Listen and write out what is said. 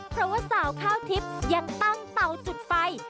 เพราะว่าสาวข้าวทิพย์ยังตั้งเตาจุดไฟ